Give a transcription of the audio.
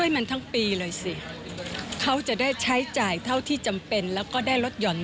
ไม่ต้องซื้อก็ได้